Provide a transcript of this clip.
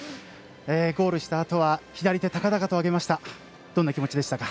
ゴールしたあとは左手を高々と上げました。